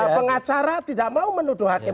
karena pengacara tidak mau menuduh hakim